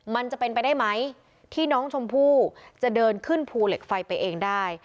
มันจะเป็นไปได้ไหมที่น้องชมพู่จะเดินขึ้นภูเหล็กไฟไปเองได้